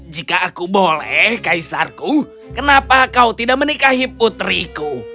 jika aku boleh kaisarku kenapa kau tidak menikahi putriku